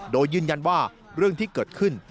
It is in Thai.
โดยยืนยันว่าเรื่องที่เกิดขึ้น